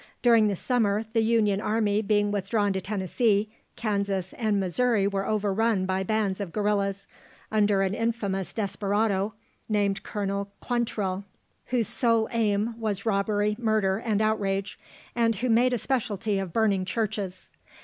During the summer, the Union army being withdrawn to Tennessee, Kansas and Missouri were overrun by bands of guerillas, under an infamous desperado named Colonel Quantrill, whose sole aim was robbery, murder, and outrage, and who made a speciality of burning churches.